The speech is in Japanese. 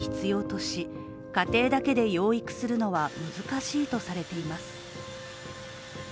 強度行動障害は常に介助を必要とし、家庭だけで養育するのは難しいとされています。